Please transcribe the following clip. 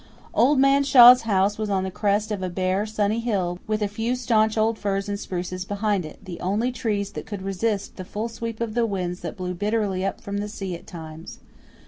Old Man Shaw's house was on the crest of a bare, sunny hill, with a few staunch old firs and spruces behind it the only trees that could resist the full sweep of the winds that blew bitterly up from the sea at times.